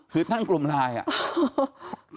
คือตั้งกลุ่มไลน์อ่ะ